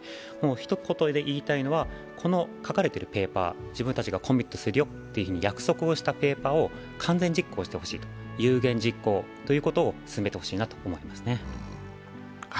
ひと言で言いたいのは、書かれているペーパー、自分たちがコミットすると約束をしたペーパーを完全実行してほしい、有言実行を進めてほしいなと思いますね。